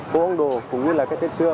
phố ông đồ cũng như là cái tết xưa